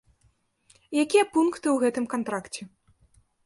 Якія пункты ў гэтым кантракце?